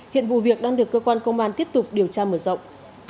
hiện vụ việc đang được cơ quan công an tiếp tục điều tra mở rộng